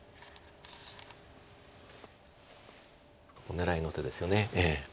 狙いの手ですよね。